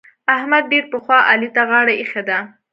احمد ډېر پخوا علي ته غاړه اېښې ده.